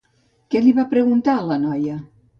Què li va preguntar a la noia?